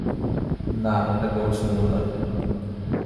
না, ওটা কেবল সিংহ নয়।